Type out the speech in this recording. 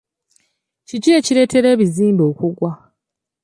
Ki ekireetera ebizimbe okugwa?